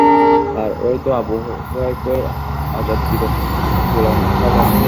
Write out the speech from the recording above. আর ঐ তো আবু হুযাইফার আযাদকৃত গোলাম সালেম।